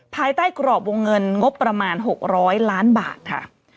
ภายใต้กรอบวงเงินงบประมาณ๖๐๐ล้านบาทค่ะ